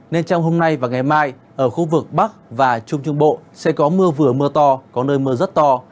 nên trong hôm nay và ngày mai ở khu vực bắc và trung trung bộ sẽ có mưa vừa mưa to có nơi mưa rất to